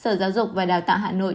sở giáo dục và đào tạo hà nội